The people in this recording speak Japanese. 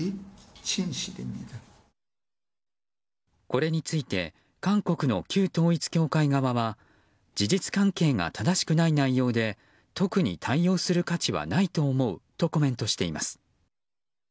これについて韓国の旧統一教会側は事実関係が正しくない内容で特に対応する価値はないと思うとコメントしています。